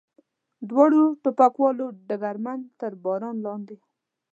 دواړو ټوپکوالو ډګرمن تر باران لاندې.